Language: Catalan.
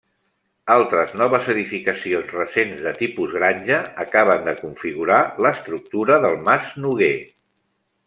Altres noves edificacions recents de tipus granja acaben de configurar l'estructura del mas Noguer.